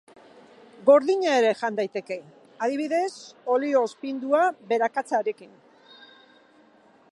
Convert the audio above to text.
Gordina ere jan daiteke, adibidez olio-ozpindua berakatzarekin.